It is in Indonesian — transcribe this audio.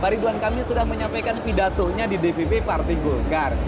ridwan kami sudah menyampaikan pidatonya di pd dpd partai golkar